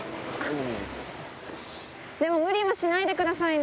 無理はしないでくださいね。